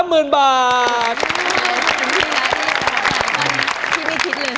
ขอบคุณพี่นะพี่ไม่คิดเลย